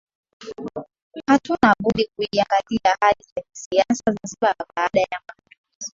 Hatuna budi kuiangalia hali ya kisiasa Zanzibar baada ya Mapinduzi